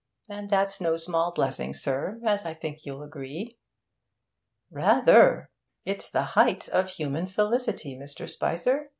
And that's no small blessing, sir, as I think you'll agree.' 'Rather! It's the height of human felicity, Mr. Spicer.